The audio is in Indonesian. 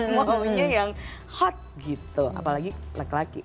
mau punya yang hot gitu apalagi laki laki